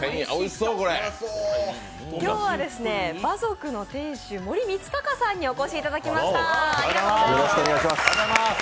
今日は馬賊の店主、森光隆さんにお越しいただきました。